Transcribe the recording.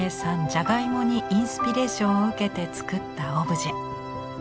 じゃがいもにインスピレーションを受けて作ったオブジェ。